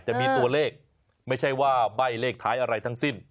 จะมีตัวเลขไม่ใช่ว่าใบ้เลขท้ายอะไรทั้งสิ้น